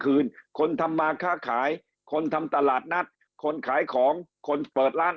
คืนคนทำมาค้าขายคนทำตลาดนัดคนขายของคนเปิดร้าน